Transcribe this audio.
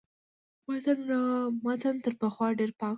متن تر پخوا ډېر پاک شو.